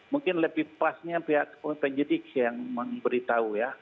mungkin lebih pasnya pihak penyidik yang memberitahu ya